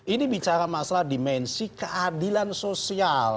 ini bicara masalah dimensi keadilan sosial